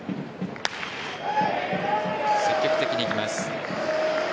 積極的にいきます。